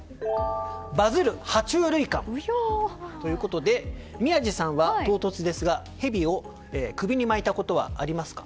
バズる爬虫類館ということで宮司さんは唐突ですが、ヘビを首に巻いたことはありますか？